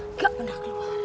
nggak pernah keluar